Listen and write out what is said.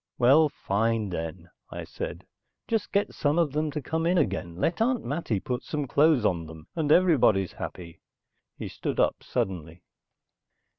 "Well, fine, then," I said. "Just get some of them to come in again, let Aunt Mattie put some clothes on them, and everybody's happy." He stood up suddenly.